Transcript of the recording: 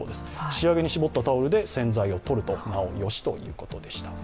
仕上げに絞ったタオルで洗剤をとるとなおよしということでした。